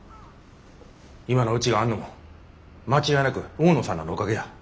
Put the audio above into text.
今のうちがあんのも間違いなく大野さんらのおかげや。